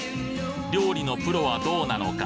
料理のプロはどうなのか？